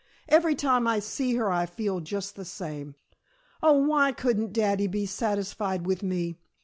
"Every time I see her I feel just the same. Oh, why couldn't daddy be satisfied with me?